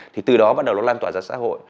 thì từ đó bắt đầu nó lan tỏa ra xã hội